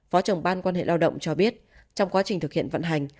phó trưởng ban quan hệ lao động cho biết trong quá trình thực hiện vận hành